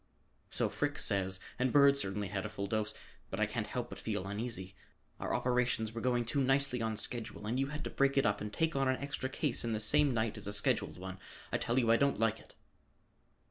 "So Frick says, and Bird certainly had a full dose, but I can't help but feel uneasy. Our operations were going too nicely on schedule and you had to break it up and take on an extra case in the same night as a scheduled one. I tell you, I don't like it."